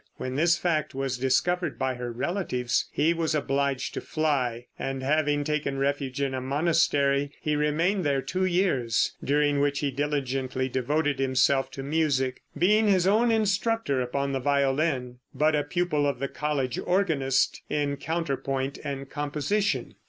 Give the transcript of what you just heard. When this fact was discovered by her relatives he was obliged to fly, and having taken refuge in a monastery he remained there two years, during which he diligently devoted himself to music, being his own instructor upon the violin, but a pupil of the college organist in counterpoint and composition.